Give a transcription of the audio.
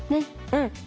うん。